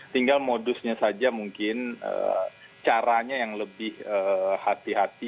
tinggal modusnya saja mungkin caranya yang lebih hati hati